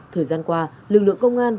thời gian qua lực lượng công an